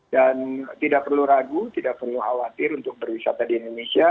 dan tidak perlu ragu tidak perlu khawatir untuk berwisata di indonesia